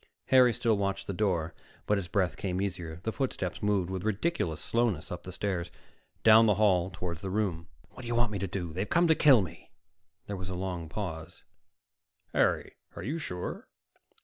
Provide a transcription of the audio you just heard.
Harry still watched the door, but his breath came easier. The footsteps moved with ridiculous slowness up the stairs, down the hall toward the room. "What do you want me to do? They've come to kill me." There was a long pause. "Harry, are you sure?"